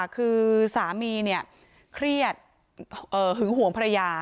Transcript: คือสามีเครียดหึงหวงภรรยา